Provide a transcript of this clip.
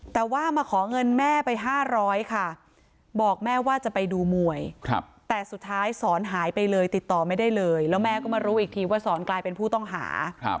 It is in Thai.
แต่ว่ามาขอเงินแม่ไป๕๐๐ค่ะบอกแม่ว่าจะไปดูมวยแต่สุดท้ายสอนหายไปเลยติดต่อไม่ได้เลยแล้วแม่ก็มารู้อีกทีว่าสอนกลายเป็นผู้ต้องหา